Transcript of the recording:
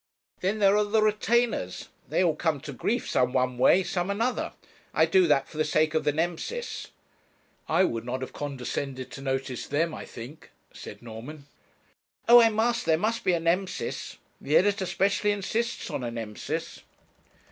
Then there are the retainers; they all come to grief, some one way and some another. I do that for the sake of the Nemesis.' 'I would not have condescended to notice them, I think,' said Norman. 'Oh! I must; there must be a Nemesis. The editor specially insists on a Nemesis.'